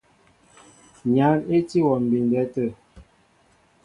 Nyǎn í tí wɔ mbindɛ tə̂.